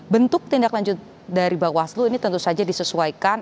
bentuk tindak lanjut dari bawaslu ini tentu saja disesuaikan